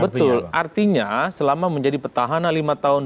betul artinya selama menjadi petahana lima tahun